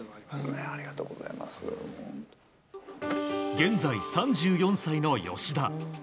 現在３４歳の吉田。